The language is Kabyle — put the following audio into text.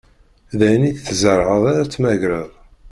D ayen i tzerεeḍ ara tmegreḍ.